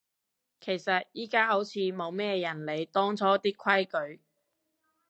其實而家好似冇咩人理當初啲規矩